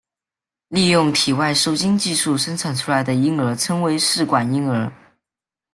利用体外受精技术生产出来的婴儿称为试管婴儿。